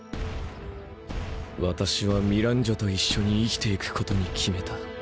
私はミランジョと一緒に生きていくことに決めた。